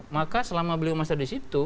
maka selama beliau masuk di situ